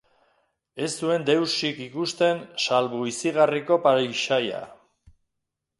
Ez zuen deusik ikusten salbu izigarriko paisaia.